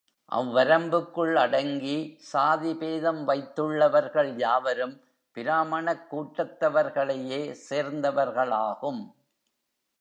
அவ்வரம்புக்குள் அடங்கி சாதி பேதம் வைத்துள்ளவர்கள் யாவரும் பிராமணக் கூட்டத்தவர்களையே சேர்ந்தவர்களாகும்.